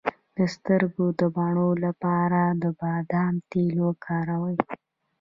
د سترګو د بڼو لپاره د بادام تېل وکاروئ